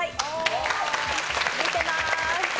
見てまーす。